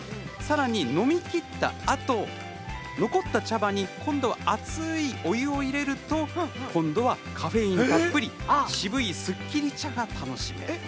飲みきったあと残った茶葉に今度は熱いお湯を入れるとカフェインたっぷり渋いスッキリ茶が楽しめる。